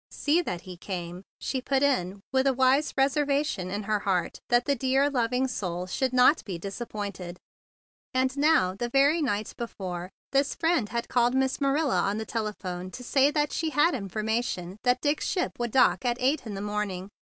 "See that he came " she put it, with a wise reserva¬ tion in her heart that the dear, loving soul should not be disappointed. And now, the very night before, this friend had called Miss Marilla on the telephone to say that she had informa¬ tion that Dick's ship would dock at eight in the morning.